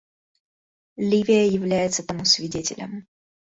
Ливия является тому свидетелем.